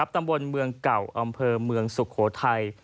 ตำบลเมืองเก่าอำเภอเมืองสุโขทัย